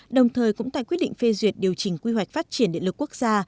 đồng thời cũng tại quyết định phê duyệt điều chỉnh quy hoạch phát triển điện lực quốc gia